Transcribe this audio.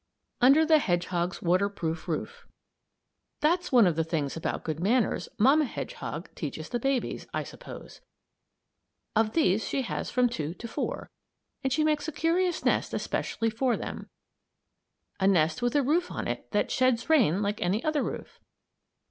UNDER THE HEDGEHOG'S WATER PROOF ROOF That's one of the things about good manners Mamma Hedgehog teaches the babies, I suppose. Of these she has from two to four, and she makes a curious nest especially for them; a nest with a roof on it that sheds rain like any other roof.